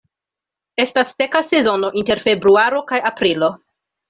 Estas seka sezono inter februaro kaj aprilo.